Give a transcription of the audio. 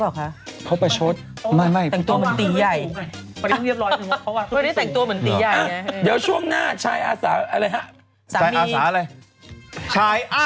ชายอ้าวชั้นอาจจะเป็นชายอ้าว